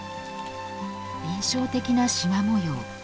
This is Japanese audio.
印象的なしま模様。